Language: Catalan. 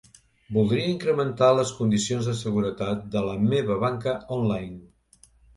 Voldria incrementar les condicions de seguretat de la meva banca online.